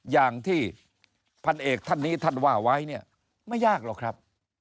อย่างที่พันเอกท่านนี้ท่านว่าไว้เนี่ยไม่ยากหรอกครับ